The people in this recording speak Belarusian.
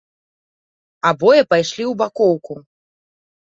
Абое пайшлі ў бакоўку.